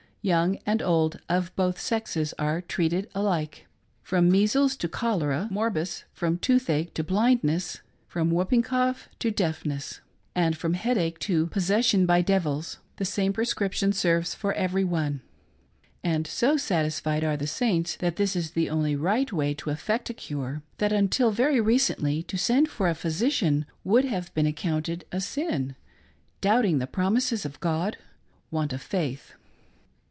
Young and old, of both sexes, are treated alike ;— ^from measles to cholera morbus, from tooth ache to blindness, from whooping cough to deafness ; and from headache to " possession by devils "— the same prescrip tion serves for every one. And so satisfied are the Saints that this is the only right way to effect a cure, that, until very recently, to send for a physician would have been accounted a sin — doubting the promises of God — want of faith.